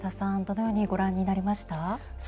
どのようにご覧になりました？